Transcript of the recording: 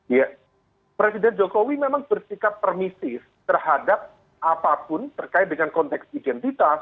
ya presiden jokowi memang bersikap permisif terhadap apapun terkait dengan konteks identitas